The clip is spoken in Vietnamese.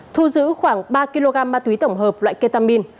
thu giữ khoảng ba kg ma túy tổng hợp loại ketamin